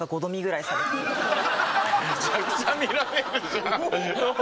めちゃくちゃ見られるじゃん。